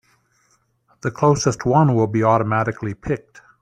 The closest one will be automatically picked.